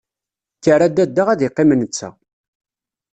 Kker a dadda ad iqqim netta.